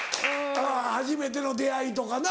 初めての出会いとかな。